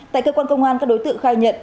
tại cơ quan công an các đối tượng khai nhận